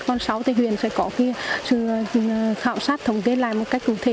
còn sau thì huyện sẽ có cái sự khảo sát thống kê lại một cách cụ thể